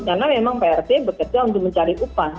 karena memang prt bekerja untuk mencari upah